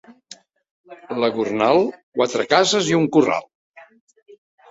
La Gornal, quatre cases i un corral.